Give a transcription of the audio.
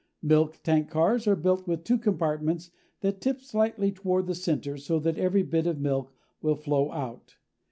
Milk tank cars are built with two compartments that tip slightly toward the center so that every bit of milk will flow out.